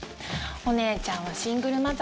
お姉ちゃんはシングルマザー